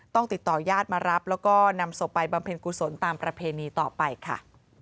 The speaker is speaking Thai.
ติดต่อยาดมารับแล้วก็นำศพไปบำเพ็ญกุศลตามประเพณีต่อไปค่ะ